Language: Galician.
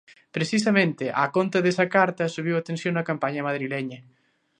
Precisamente á conta desa carta subiu a tensión na campaña madrileña.